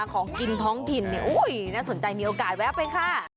ของกินท้องถิ่นน่าสนใจมีโอกาสแวะไปค่ะ